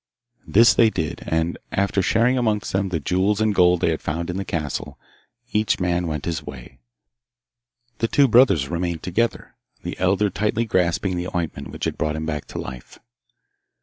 This they did, and, after sharing amongst them the jewels and gold they found in the castle, each man went his way. The two brothers remained together, the elder tightly grasping the ointment which had brought him back to life.